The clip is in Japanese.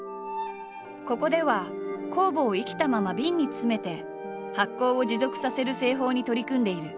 ここでは酵母を生きたままビンに詰めて発酵を持続させる製法に取り組んでいる。